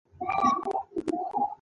هر څه امکان لری چی هڅه یی وشی